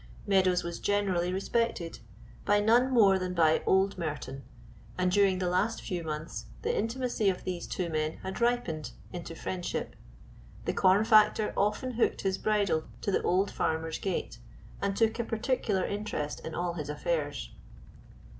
Meadows was generally respected; by none more than by old Merton, and during the last few months the intimacy of these two men had ripened into friendship; the corn factor often hooked his bridle to the old farmer's gate, and took a particular interest in all his affairs.